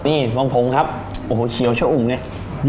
นี่สวงครับโอ้โหเิียโชองเนี่ย